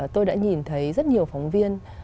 tôi đã nhìn thấy rất nhiều phóng viên